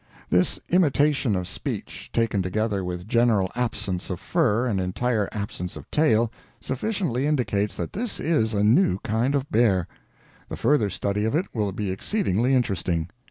This imitation of speech, taken together with general absence of fur and entire absence of tail, sufficiently indicates that this is a new kind of bear. The further study of it will be exceedingly interesting.